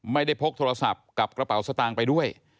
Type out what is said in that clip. พกโทรศัพท์กับกระเป๋าสตางค์ไปด้วย